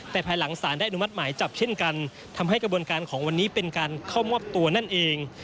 แต่ภายหลังสารได้อนุมัติหมายจับเช่นกันทำให้กระบวนการของวันนี้เป็นการเข้ามอบตัวนั่นเอง